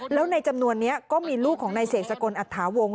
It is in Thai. แล้วในจำนวนนี้ก็มีลูกของนายเสกสกลอัตถาวงศ